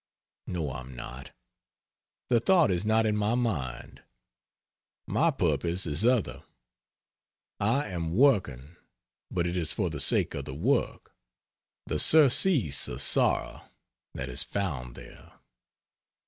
No, I am not. The thought is not in my mind. My purpose is other. I am working, but it is for the sake of the work the "surcease of sorrow" that is found there.